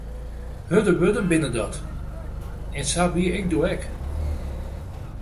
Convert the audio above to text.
Hurde wurden binne dat, en sa wie ik doe ek.